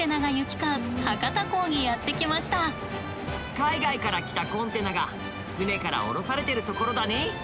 海外から来たコンテナが船から降ろされてるところだね。